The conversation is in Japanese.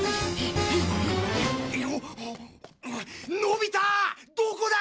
のび太どこだ！？